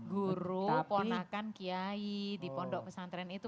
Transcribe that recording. guru ponakan kiai di pondok pesantren itu